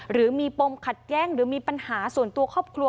หรือมีปมขัดแย้งหรือมีปัญหาส่วนตัวครอบครัว